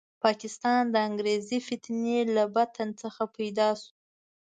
پاکستان د انګریزي فتنې له بطن څخه پیدا شو.